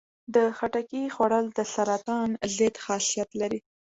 د خټکي خوړل د سرطان ضد خاصیت لري.